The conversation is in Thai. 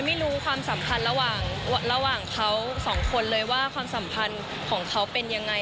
ไม่รู้ความสำคัญระหว่างเค้าสองคนเลยว่าความสำคัญของเค้าเป็นยังไง